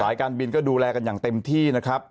การบินก็ดูแลกันอย่างเต็มที่นะครับ